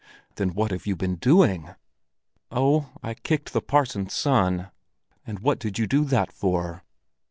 "Then what have you been doing?" "Oh, I kicked the parson's son." "And what did you do that for?"